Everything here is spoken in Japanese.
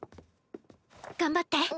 頑張って。